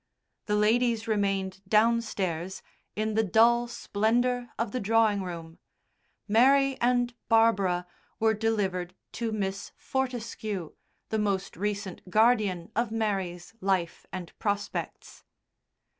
The ladies remained downstairs in the dull splendour of the drawing room; Mary and Barbara were delivered to Miss Fortescue, the most recent guardian of Mary's life and prospects.